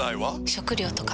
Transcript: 食料とか。